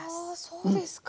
そうですか。